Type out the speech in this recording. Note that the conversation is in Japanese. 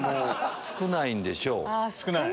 少ないんでしょう。